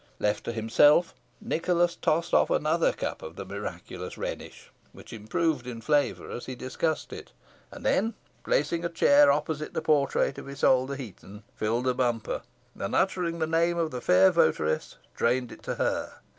Left to himself, Nicholas tossed off another cup of the miraculous Rhenish, which improved in flavour as he discussed it, and then, placing a chair opposite the portrait of Isole de Heton, filled a bumper, and, uttering the name of the fair votaress, drained it to her.